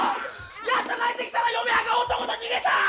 やっと帰ってきたら嫁はんが男と逃げた！？